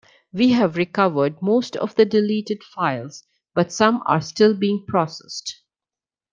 We have recovered most of the deleted files, but some are still being processed.